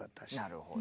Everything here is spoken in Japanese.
なるほど。